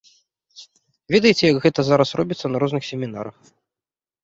Ведаеце, як гэта зараз робіцца на розных семінарах.